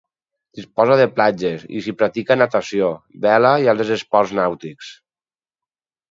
Disposa de platges, i s'hi practica natació, vela i altres esports nàutics.